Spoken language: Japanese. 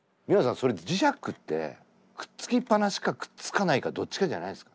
それ磁石ってくっつきっ放しかくっつかないかどっちかじゃないですか？」。